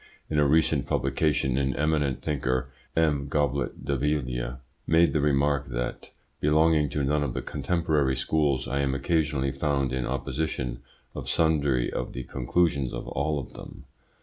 In a recent publication an eminent thinker, M. Goblet d'Alviela, made the remark that, belonging to none of the contemporary schools, I am occasionally found in opposition of sundry of the conclusions of all of them.